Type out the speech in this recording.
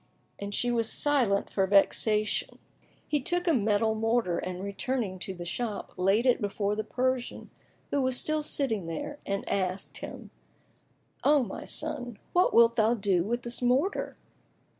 and she was silent for vexation. Then of his ignorance, he took a metal mortar and returning to the shop, laid it before the Persian, who was still sitting there and asked him, "O my son, what wilt thou do with this mortar?"